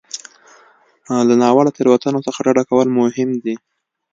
له ناوړه تېروتنو څخه ډډه کول مهم دي.